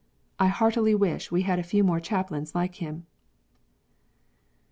I heartily wish we had a few more chaplains like him.